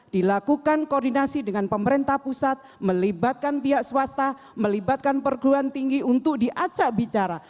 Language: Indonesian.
dilakukan koordinasi dengan pemerintah pusat melibatkan pihak swasta melibatkan perguruan tinggi untuk diajak bicara